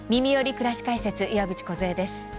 くらし解説」岩渕梢です。